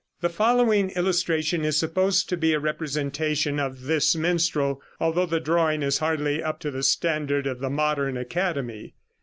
The following illustration is supposed to be a representation of this minstrel, although the drawing is hardly up to the standard of the modern Academy.